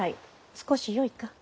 少しよいか？